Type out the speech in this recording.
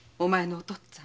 お父っつぁん